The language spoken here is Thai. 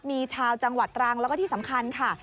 มีชาวจังหวัดตรังแล้วก็ที่สำคัญค่ะ